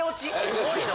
すごいな。